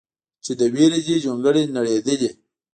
چې له ویرې دې جونګړې نړېدلې